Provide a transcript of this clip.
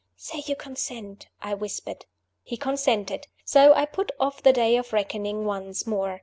"Say you consent," I whispered. He consented. So I put off the day of reckoning once more.